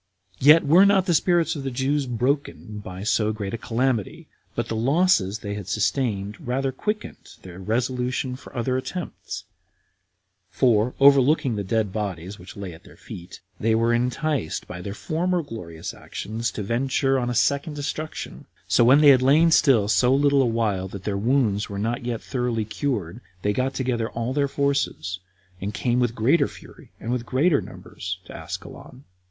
3. Yet were not the spirits of the Jews broken by so great a calamity, but the losses they had sustained rather quickened their resolution for other attempts; for, overlooking the dead bodies which lay under their feet, they were enticed by their former glorious actions to venture on a second destruction; so when they had lain still so little a while that their wounds were not yet thoroughly cured, they got together all their forces, and came with greater fury, and in much greater numbers, to Ascalon.